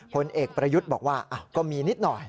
ผลเอกประยุทธ์บอกว่าก็มีนิดหน่อย